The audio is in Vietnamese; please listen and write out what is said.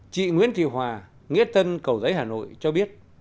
chị nguyễn thị hòa nghĩa tân cầu giấy hà nội cho biết